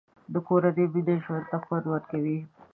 د کورنۍ مینه ژوند ته خوند ورکوي.